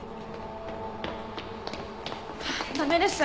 駄目です。